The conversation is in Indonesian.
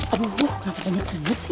aduh kenapa banyak sedikit sih